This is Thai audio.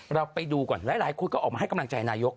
เราไปดูก่อนหลายคนก็ออกมาให้กำลังใจนายก